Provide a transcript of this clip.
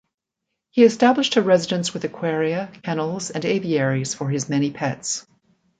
He established a residence with aquaria, kennels, and aviaries for his many pets.